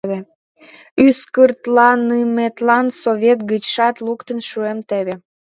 Ӱскыртланыметлан Совет гычшат луктын шуэм теве...